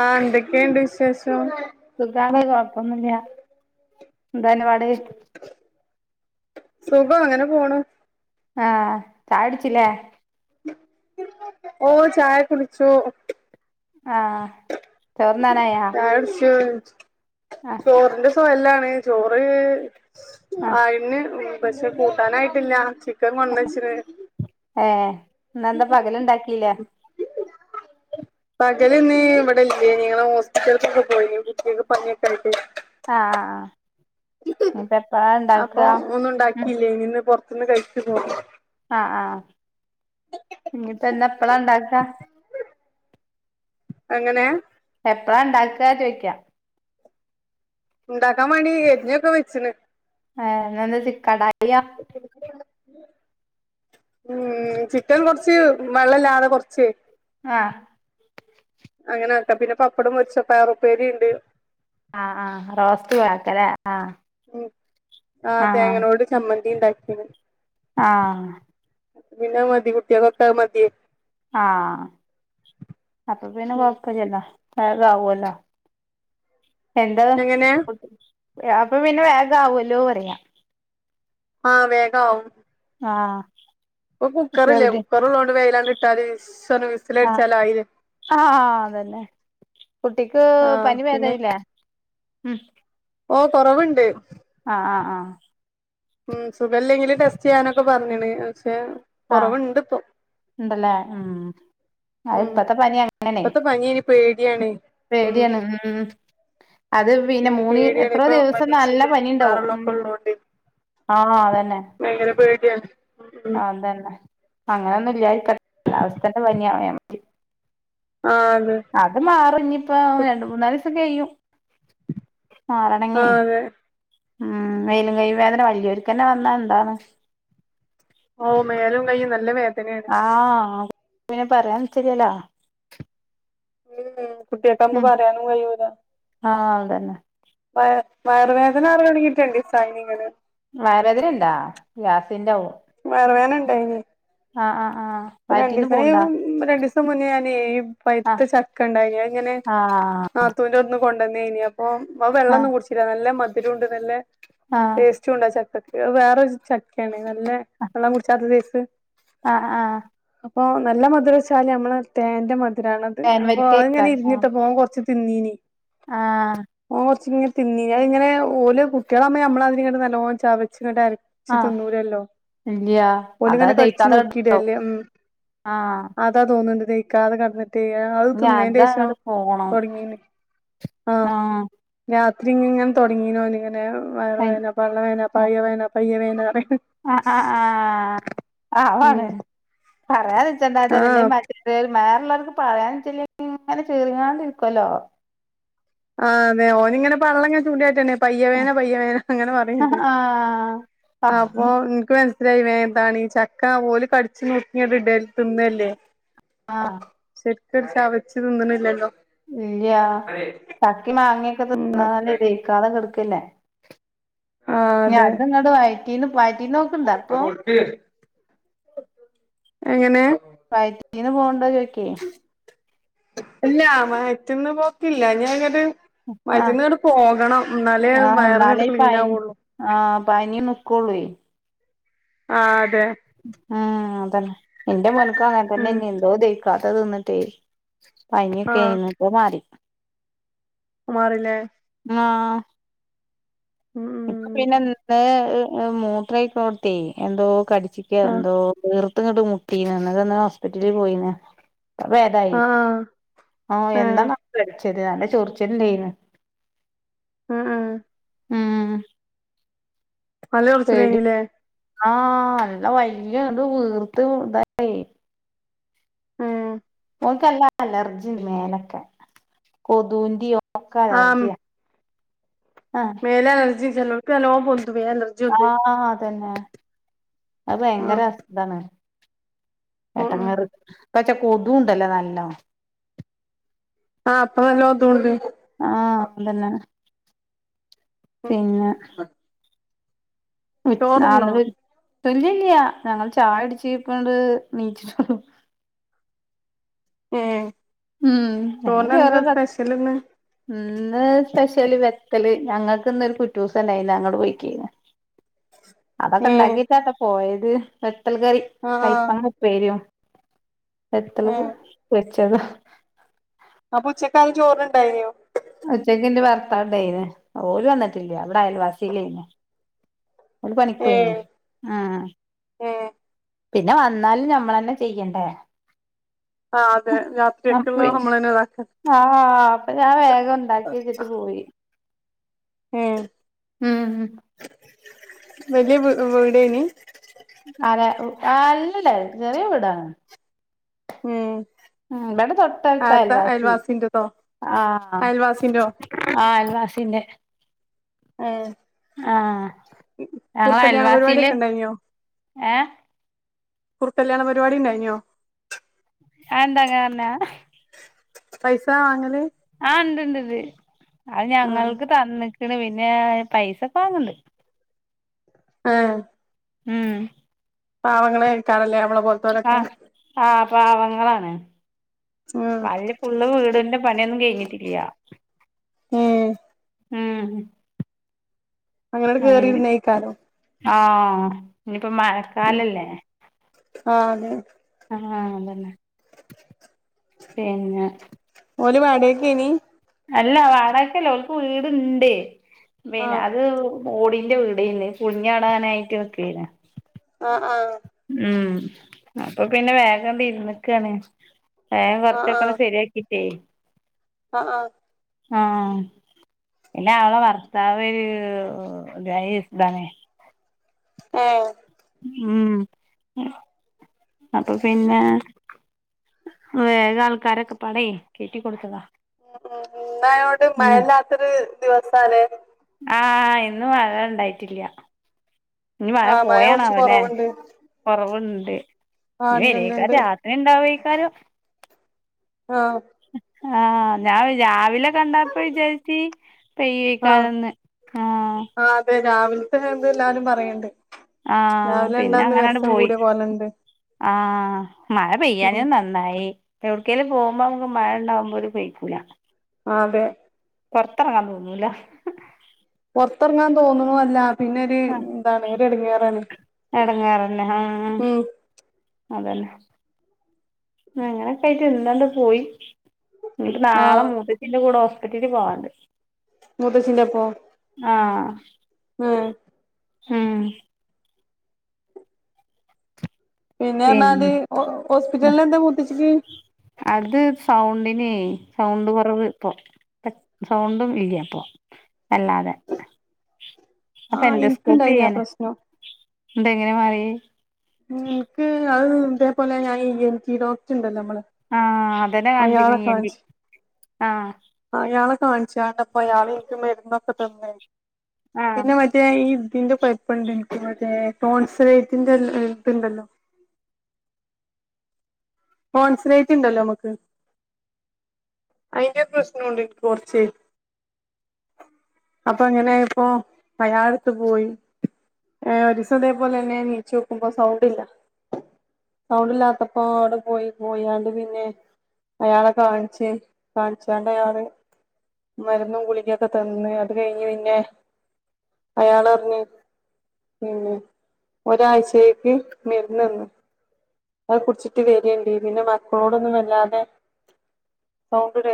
ആഹ് എന്തൊക്കെ ഇണ്ട് വിശേഷം? സുഖമാണ് കൊഴപ്പമൊന്നുമില്ല എന്താ നിന്റെ പാട്. സുഖം അങ്ങനെ പോണു. ആഹ് ചായ കുടിച്ചില്ലേ? ഓഹ് ചായ കുടിച്ചു. ആഹ് ചോറ്ന്നാനായാ ചായ കുടിച്ചു ആഹ് ചോറിന്റെ ഇപ്പ എല്ലാണ് ചോറ് ആഹ് ആയിണ് പക്ഷെ കൂട്ടാനായിട്ടില്ല ചിക്കൻ കൊണ്ട് വച്ചിന് ഏഹ് ഇന്ന് എന്താ പകലുണ്ടാക്കിയില്ലേ? പകലിന്ന് ഇവിടെ ഇല്ലേയിനി. ഞങ്ങള് ഹോസ്പിറ്റലിലൊക്കെ പോയിന്നു കുട്ടികൾക്ക് പനിയൊക്കെയായിട്ട്. ആ അഹ് ആഹ് ഇനി ഇപ്പം എപ്പഴാ ഉണ്ടാക്കുക? ഇല്ല ഇനി ഇന്ന് പുറത്തുന്ന് കഴിച്ചു പോന്നു. ആ ആഹ് ഇനിയിപ്പം എന്താ എപ്പളാ ഉണ്ടാക്ക? അങ്ങനെ എപ്പളാ ഉണ്ടാക്കുക ചോദിക്കാ? ഉണ്ടാക്കാൻ വേണ്ടി ഞാ പ്പോ വെച്ചിന്ന് ആഹ് എന്താ ഇന്ന് ചി കടായിയാ ഉം ചിക്കൻ കൊറച്ച് വെള്ള ഇല്ലാതെ കൊറച്ച് ആഹ് അങ്ങനെ ആക്കാം. പിന്നെ പപ്പടംപെരിച്ച് പയറുപ്പേരി ഉണ്ട്. ആ ആഹ് റോസ്റ്റ് പോലെ ആക്ക അല്ലേ? ആഹ് ആഹ് തേങ്ങലേട് ചമ്മന്തി ഉണ്ടാക്കിന്. ആഹ്. പിന്നെ മതി കുട്ടികളൊക്കെ അതു മതി ആഹ് അപ്പൊ പിന്നെ ഉം കൊഴപ്പം ഇല്ലല്ലോ. അത് ആവുവല്ലോ. എന്ത് എങ്ങനെ അപ്പൊ പിന്നെ വേഗം ആവുവല്ലോ പറയാം. ആഹ് വേഗമാവും. ആഹ് ഇപ്പം കുക്കറില്ലേ ചെറുത് കുക്കർ ഉള്ളോണ്ട് വേഗംഅങ്ങ് ഇട്ടാത് ഇശ് എന്ന് പറഞ്ഞ് വിസ് ആഹ് ആഹ് അത് തന്നെ. കുട്ടിക്ക് ആഹ് പനി ഭേതമായില്ലേ? ഉം. ഓ കൊറവുണ്ട്. ആഹ് ആഹ് ആഹ് ഉം സുഖമില്ലെങ്കില് ടെസ്റ്റ് ചെയ്യാനൊക്കെ പറഞ്ഞണ്. പക്ഷെ ആഹ് കൊറവുണ്ട് ഇപ്പൊ ഉണ്ടല്ലേ ഉം അ ഇപ്പത്തെ പനി അങ്ങനെയാണേ പേടിയാണേ പേടിയാണ്. ഉം. അത് പിന്നെ ഉം മൂന്നീ പേടിയാണ് എത്രയോ ഇപ്പൊ ദിവസം മറ്റേ നല്ല പനി ഷിഗല്ലയും ഉണ്ടാവും. ഉം. വേറെള്ളൊക്കെ ഉള്ളോണ്ട് ആഹ് അത് തന്നെ. ഭയങ്കര പേടിയാണ്. ഉം ഉം ആ അതന്നെ അങ്ങനെ ഒന്നും ഇല്ലായിരിക്കട്ടെ കാലാവസ്ഥന്റെ പനിയായാമതി. ആ അതെ അത് മാറും ഇനിയിപ്പ രണ്ടു മൂന്നാലു ദിവസംകഴിയും. മാറണങ്ങി ആഹ് അതെ ഉം മേലും കൈ വേദന വലിയ വർക്ക് തന്നെ വന്നാ എന്താണ്? ഓ മേലും കയ്യും നല്ല വേദന ആണ്. ആഹ് പിന്നെ പറയാൻ പറ്റുന്നില്ല ഉം. കുട്ടികൾക്കാവുമ്പം പറയാനു കഴിയൂല. ആഹ് അവൻതന്നെ. വയ വയറുവേദന പറഞ്ഞു തുങ്ങിയിട്ടുണ്ട് സൈനികന്. വയറുവേദനഉണ്ടോ? ഗ്യാസിന്റെ ആവും. വയറുവേദന ഉണ്ടായിനി ആഹ് ആഹ് ആഹ് പ്പ രണ്ട് വയറ്റീന്ന് പോവ്ണ്ടാ ദിവസായും രണ്ടു ദിവസം മുന്നേ ഞാനേ ഈ പഴുത്ത ആഹ് ചക്ക ഉണ്ടായിനി അതിങ്ങനെ ആഹ് നാത്തൂൻ്റെ പെണ്ണും കൊണ്ടന്നയിനി അപ്പോ അത് ആഹ് വെള്ളൊന്നും കുടിച്ചില്ല നല്ല മധുരം ഉണ്ട് നല്ല ടേസ് [unintelligible] ചക്കക്ക് അത് വേറൊരു ചക്കയാണ് നല്ല വെള്ളം കുടിച്ചാത്ത സേസ് അ അ അഹ് അപ്പൊ നല്ല മധുരം വച്ചാല് നമ്മള് തേന്റെ മധുരമാണത് അപ്പൊ അത് ഞാൻ തേൻവരിക്കയ്ക്കാരം ആഹ് ഇരിഞ്ഞിട്ടപ്പോ അവൻ കൊറച്ച് തിന്നിനി ആഹ് ഓർച്ചിങ്ങ തിന്നിന ഇങ്ങനെ ഓല് കുട്ടികളാവുമ്പ നമ്മള് അതിനിങ്ങട്ടു നല്ലോലെ ചവചിങ്ങട്ടു അരക്കും അഹ് ഇല്ല്യാ അതാ ഓലിങ്ങനെ കടിച്ച് ദഹിക്കാതെ കിടപ്പുണ്ടാവും നുറുക്കിയിടല്ലേ ഉം ആഹ് അതാ തോന്നുന്നുണ്ട് ദഹിക്കാതെ കിടന്ന് തിയാ അത് ഇഞ്ഞ് തിന്നേൻ്റെ ശേഷം അതങ്ങട്ട് പോണം തുടങ്ങീന് ആഹ് രാത്രി ഇങ്ങനെ തുടങ്ങീനോ ഓൻ ഇങ്ങനെ വയർ അയ് വേദന പള്ള വേദന പഴയ വേദന പയ്യ വേദന പറയും അ ആഹ് ആ അവൻ ഉം പറയ് പറയാന്നുവച്ചെന്തോച്ചാല് അല്ലേൽ ആഹ് മറ്റേ ഇതേത് മേറെഉള്ളവർക്ക് പറയാന്ന് വെച്ച ഇങ്ങനെ ചെറിങ്ങാണ്ടിരിക്കുവല്ലോ ആ അതെ ഓനിങ്ങനെ പള്ളങ്ങനെ ചൂണ്ടി കാണിച്ചാണ് പയ്യ വേന പയ്യ വേന അങ്ങനെ പറയണിണ്ട് ആഹ് അപ്പൊ എനിക്ക് മനസ് ത്രയായി വേന്താണീ ചക്ക ഓല് കടിച്ച് നുറുക്കി ഇങ്ങട് ഇടു തിന്നുഅല്ലേ ആഹ് ശരിക്കും ചവച്ച് തിന്നണില്ലല്ലോ ഇല്ല്യാ ചക്കി മാങ്ങിയൊക്കെ ഉം തിന്നാല് ദഹിക്കാതെ കെടുക്കല്ലേ ആ ഇഞ അതെ അതിങ്ങട് വൈറ്റീന്ന് വയറ്റിന്നു പോക്കുണ്ടോ ഇപ്പൊ എങ്ങനെ വയറ്റീന് പോകേണ്ടോ ചോയിക്ക് ഇല്ലാ വയറ്റിന്ന് പോക്കില്ല ഞാൻ ഒരു ആഹ് വയറ്റിന്നങ്ങട്ട് പോകണം എന്നാലേ ആഹ് വയറ് എന്നാലേ അങ്ങട്ട് ഈ ക്ലീൻ പനി ആവുള്ളൂ ആഹ് പനീം നിക്കൊള്ള ആഹ് അതെ ആഹ് അതന്നെ എന്റെ മോന്ക്ക് അങ്ങനെ ഉം തന്നെ എന്തോ ദാഹിക്കാത്തത് തിന്നിട്ടെ ആ പനിയൊക്കെ അയിന്നു ഇപ്പോ മാറി മാറില്ലേ ആഹ് ഉം ഇപ്പൊ പിന്നെ ഉം ഇന്ത് മൂത്രമൊഴിക്കണടത്തേ എന്തോ കടിച്ചിക്ക ആ എന്തോ വീർത്തങ്ങട്ട് മുട്ടീന്ന് എന്നിട്ടിന്ന് ഹോസ്പിറ്റലിൽ പോയിന്ന ഇപ്പ ഭേദായി ആ ആഹ് ആ എന്താണോ [unintelligible] കടിച്ചത് നല്ല ചോറിച്ചില് ഉണ്ടായിന് ആഹ് ആഹ് ഉം നല്ല പേടി ചൊറിച്ചിലായിന്നൂല്ലേ ആഹ് എൻ്റെ വയ്റ്റ്ല് ത് വീർത്ത് ഇതായി ഉം ഓക്കെല്ലാം അലർജിയുണ്ട് മേലൊക്കെ കൊതുന്റെ ഒക്കെ ആ അലർജിയ മേല് അലർജിയ ചിലർക്കു നല്ലോണം പൊന്തും മേല് അലർ ആഹ് അതന്നെ അത് ആ ഭയങ്കര അസസ്ഥതയാണ് ഉം ഉം എടങ്ങേറ് പ്പച്ച കൊതുംണ്ടല്ല നല്ല ആഹ് അപ്പ നല്ല കൊതുണ്ട് ആഹ് അതന്നെ ഉം പിന്നെ [unintelligible] ചോറ്ന്നോ ഇല്യ ഇല്ല ഞങ്ങള് ചായ കുടിച്ചിട്ടിപ്പങ്ങട് എണീച്ചോട്ടൊള്ളു ഏഹ് ഉം ഏ ചെറുത് സ്പെഷ്യലിന്ന് ഇന്ന് സ്പെഷ്യല് വെക്കല് ഞങ്ങൾക്ക് ഇന്നൊരു കുറ്റുസണ്ടായിനി അങ്ങട് പോയക്കേനി ഏ അതൊക്കെണ്ടാക്കിട്ടാട്ടോ പോയത് വെത്തൽ കറി ആ കയപ്പ പ്പേരിം വെത്തല് ഏ പൊരിച്ചതും അപ്പൊ ഉച്ചക്കാരും ചോറ്ന്ണ്ടായിനോ ഉച്ചക്കിന്റെ ഭർത്താവിണ്ടേനി ഓര് വന്നിട്ടില്ല ഇവടെ അയൽവാസിലേനി. ഓല് പണിക്കോയിന്. ഏഹ് ആഹ് ഏഹ് പിന്നെ വന്നാലും നമ്മളെന്നെ ചെയ്യണ്ടേ? ആഹ് അതെ അപ്പ രാത്രിക്കിള്ളെ നമ്മളെന്നെ ഇതാക്ക ആഹ് അപ്പൊ ഞാൻ വേഗം ഇണ്ടാക്കി വെച്ചിട്ട് പോയി. ഉം ഉം. വല്ല്യ വീ വീടെനി? ആരെ അല്ലല്ല ചെറിയ വീടാണ്. ഉം ഉം ഇവടെ തൊട്ടടുത്ത് ആര്താ അയൽവാസി അയൽവാസിന്റെതോ ആഹ്. അയൽവാസിന്റോ ആ അയൽവാസിന്റെ. ഏഹ് ആഹ് ഞങ്ങളെ കുറുക്കല്യാണ അയൽവാസില് പരിപാടിയൊക്കെ ഇണ്ടായിനോ ഏഹ് കുർകല്യാണ പരിപാടിണ്ടായിനിയോ? അയെന്താ അങ്ങനറഞ്ഞ. പൈസ വാങ്ങല്? ആഹ് ഇണ്ടിണ്ടിണ്ട് അത് ആഹ് ഞങ്ങൾക്ക് തന്ന്ക്കണ് പിന്നെ പൈസക്ക് വാങ്ങിണ്ട്. ആഹ്. ഉം. പാവങ്ങളെക്കാരല്ലേ ഞമ്മളെ പോ ആഹ് ആഹ് പാവങ്ങളാണ് ആഹ് വല്ല് ഫുള്ള് വീടിന്റെ പണിയൊന്നും കഴിഞ്ഞിട്ടില്ല്യാ. ഏഹ് ഉം. അങ്ങനട് കേറി അയിന് ഇരുന്നേക്കാരം. ആഹ് ഇഞ്പ്പോ ഉം മഴക്കാലല്ലേ. ആഹ് അതെ. ആഹ് അതന്നെ പിന്നെ ഓല് വാടകക്കെനി? അല്ല വാടകക്കല്ല ഓൽക്ക് വീടുണ്ട് പിന്നെ ആഹ് അത് ഓടിന്റെ വീടെനി പൊളിഞ്ഞാടാനായിട്ട് നിക്കെന. ആഹ് ആഹ് ഉം അപ്പൊ പിന്നെ വേഗണ്ട് ഇരിന്നിക്കാണ് വേഗം ആഹ് കൊറച്ചൊക്കെ ആഹ് ഒന്ന് ശരിയാ ക്കിട്ടേ. ആഹ് ആഹ്. ആഹ്. പിന്നെ അവളെ വർത്താവ് ഒരു [unintelligible] താണേ. ഏഹ്? ഉം അപ്പൊ പിന്നെ വേഗ ആൾക്കാരൊക്കെപ്പാടെ കെട്ടി കൊടുത്തതാ. ഉം ഉം ഇന്നായൊണ്ട് ഉം മഴല്ലാത്തൊരു ദിവസാലെ ആഹ് ഇന്ന് മഴണ്ടായിട്ടില്ല്യ ഇഞ് മഴ ആഹ് കൊറച്ച് പോയണാവല്ലെ. കൊറവുണ്ട് കൊറവുണ്ട് ആഹ് ഇനി വരേക്കാര് ഇണ്ട്ണ്ട്ണ്ട് രാത്രി ഇണ്ടാവേക്കാരം. ആഹ്. ആഹ് ഞാൻ രാവിലെ കണ്ടപ്പോ വിചാരിച്ചി ആഹ് പെയ്യേക്കാരം ന്ന് ആഹ്. രാവിലത്തെ എന്ത എല്ലാരും പറയണ്ട്. ആഹ് രാവിലെ പിന്നെ ഇണ്ടാന്ന് അങ്ങനട് വെരസം കൂടിയ പോലെണ്ട് പോയിആഹ് മഴ ഉം പെയ്യാഞെ നന്നായി. ന്നായി എവിടക്കേലും പോകുമ്പോ നമുക്ക് മഴ ഉണ്ടാവകുമ്പോ ഒരു പെയിക്കൂല. ആഹ് അതെ. പോറത്തിറങ്ങാൻ തോന്നൂല്ല. പൊർത്തർങ്ങാൻ തോന്ന്ണു അല്ല. പിന്നെ ഒരു താണ് ഒരു എടങ്ങേറാണ്. എടങ്ങേറന്നെ ആഹ് ഉം അതന്നെ, അങ്ങനെക്കെ ആയിട്ട് എന്താണ്ട് പോയി. എനിക്ക് നാളെ ആഹ് മൂത്തച്ചിന്റെ കൂടെ ഹോസ്പിറ്റലിൽ പോവാണ്ട്. മൂത്തച്ചിന്റെ ഒപ്പം. ആഹ് ആഹ് ഉം. പിന്നെ എന്നാല് ഹോ ഹോസ്പിറ്റലിൽ എന്താ മൂത്ത ച്ചിക്ക്? അത് സൗണ്ടിനെ സൗണ്ട് കുറവ് ഇപ്പൊ. [unintelligible] സൗണ്ടും ഇല്ല ഇപ്പൊ അല്ലാതെ... അപ്പ ആഹ് എന്റോസ്കോപ്പി ഇനിക്കുണ്ടായിനി ആ ചെയ്യാന. പ്രശ്നം ണ്ടെങ്ങനെ മാറിയെ? ഇൻക്ക് അത് ഇതേപോലെ ഞാന് ഇ എൻ ടി ഡോക്ട് ഇണ്ടല്ലോ നമ്മളെ ആഹ്, അതന്നെ കാണിച്ചെക്ണ്. അയാളെ ഇ. എൻ. ഡി. കാണിച്ച് ആഹ് അയാളെ കാണിച്ചാണ്ട് ഇപ്പൊ അയാള് ഇൻക്ക് മരുന്നൊക്കെ തന്ന്. ആഹ് പിന്നെ മ റ്റേ ഈ ഇതിന്റെ കൊഴപ്പണ്ട് ഇൻക്ക്, മറ്റേ ടോൺസലേറ്റിന്റെ ഇത്ണ്ടല്ലോ ടോൺസിലേറ്റ് ഉണ്ടല്ലോ നമ്മക്ക്. അയിന്റെ പ്രശ്നം ഉണ്ട് ഇൻക്ക് കൊറച്ച്. അപ്പൊ അങ്ങനെ ആയപ്പൊ അയാളത്ത് പോയി. ഏഹ് ഒരീസം ഇതേപോലെന്നെ നീച്ചോക്കുമ്പം സൗണ്ട് ഇല്ല. സൗണ്ട് ഇല്ലാത്തപ്പോ, അവിടെ പോയി പോയാണ്ട് പിന്നെ അയാളെ കാണിച്ച്‌. കാണിച്ചാണ്ട് അയാള്, മരുന്നും ഗുളിഗൊക്കെ തന്ന്, അത് കഴിഞ്ഞ് പിന്നെ. അയാള് അറഞ്ഞ് പിന്നെ ഒരാഴ്ചേക്ക് മരുന്ന് തന്നു. അത് കുടിച്ചിട്ട് വെരേണ്ടി. പിന്നെ മക്കളോടൊന്നും വല്ലാതെ സൗണ്ടിട